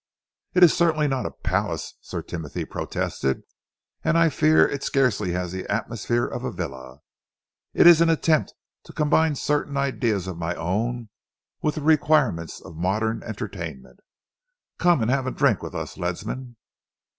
"It is certainly not a palace," Sir Timothy protested, "and I fear that it has scarcely the atmosphere of a villa. It is an attempt to combine certain ideas of my own with the requirements of modern entertainment. Come and have a drink with us, Ledsam."